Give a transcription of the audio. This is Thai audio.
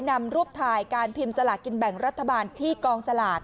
นำรูปถ่ายการพิมพ์สลากินแบ่งรัฐบาลที่กองสลาก